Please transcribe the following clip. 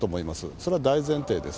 それは大前提です。